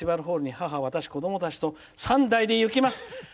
１２月１５日に母、私、子どもたちと３代で行きます。